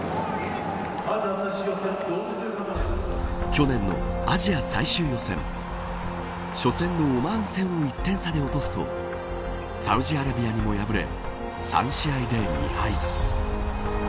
去年のアジア最終予選初戦のオマーン戦を１点差で落とすとサウジアラビアにも敗れ３試合で２敗。